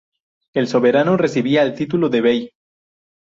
El soberano recibía el título de bey.